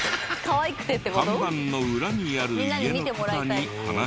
看板の裏にある家の方に話を聞くと。